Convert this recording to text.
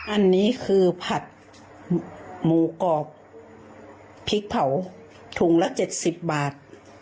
อันนี้คือผัดหมูกรอบพริกเผาถุงละ๗๐บาท